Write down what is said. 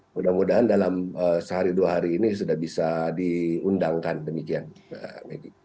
mudah mudahan dalam sehari dua hari ini sudah bisa diundangkan demikian mbak megi